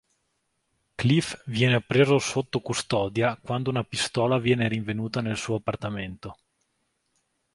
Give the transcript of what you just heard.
Cliff viene preso sotto custodia quando una pistola viene rinvenuta nel suo appartamento.